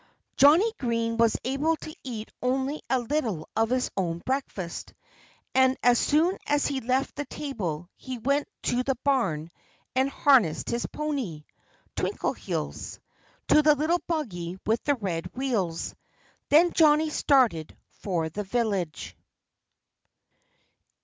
Johnnie Green was able to eat only a little of his own breakfast. And as soon as he left the table he went to the barn and harnessed his pony, Twinkleheels, to the little buggy with the red wheels. Then Johnnie started for the village.